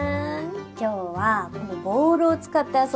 今日はこのボールを使って遊ぼうか。